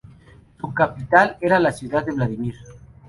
Su capital era la ciudad de Vladímir.